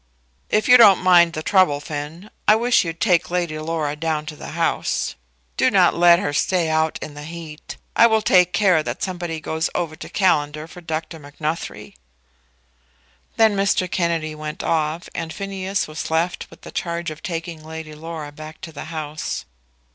"If you don't mind the trouble, Finn, I wish you'd take Lady Laura down to the house. Do not let her stay out in the heat. I will take care that somebody goes over to Callender for Dr. Macnuthrie." Then Mr. Kennedy went on, and Phineas was left with the charge of taking Lady Laura back to the house.